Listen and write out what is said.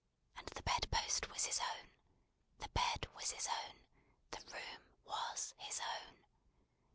and the bedpost was his own. The bed was his own, the room was his own.